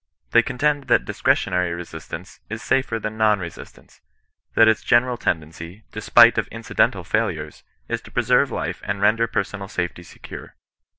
They contend that discretionary resistance is safer than non resistance ; that its general tendency, despite of incidental failures, is to preserve life and ren der personal safety secure.